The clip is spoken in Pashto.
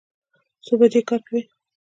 څو بجې کار کوئ؟